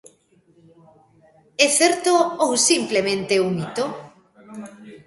É certo ou simplemente é un mito?